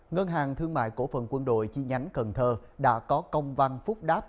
ngân hàng thương mại cổ phần quân đội chi nhánh cần thơ đã có công văn phúc đáp